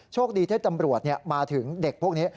โชคดีถ้าจำรวจมาถึงเด็กพวกนี้